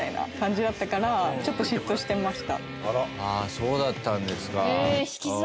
ああそうだったんですか。